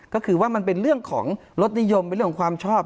ก็คือว่ามันเป็นเรื่องของรสนิยมเป็นเรื่องของความชอบ